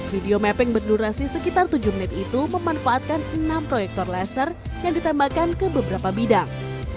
video mapping berdurasi sekitar tujuh menit itu memanfaatkan enam proyektor laser yang ditembakkan ke beberapa bidang